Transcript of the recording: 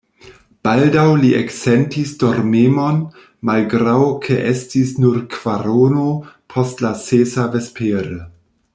Baldaŭ li eksentis dormemon, malgraŭ ke estis nur kvarono post la sesa vespere.